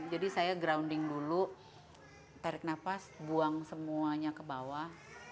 jadi saya grounding dulu tarik nafas buang semuanya ke bawah